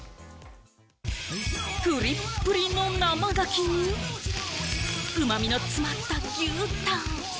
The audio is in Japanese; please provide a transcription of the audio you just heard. プリップリの生ガキにうまみの詰まった牛タン。